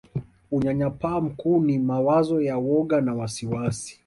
Unyanyapaa mkuu ni mawazo ya woga na wasiwasi